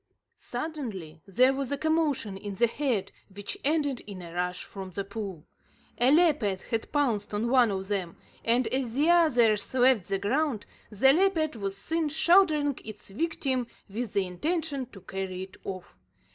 Suddenly there was a commotion in the herd, which ended in a rush from the pool. A leopard had pounced on one of them, and, as the others left the ground, the leopard was seen shouldering its victim with the intention to carry it off.